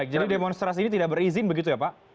jadi demonstrasi ini tidak berizin begitu ya pak